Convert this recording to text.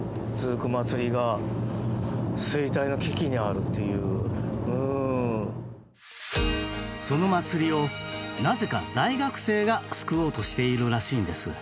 ずっと長く続いてその祭りをなぜか大学生が救おうとしているらしいんです。